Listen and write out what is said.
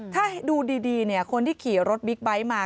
ถ้าดูดีคนที่ขี่รถบิ๊กไบท์มา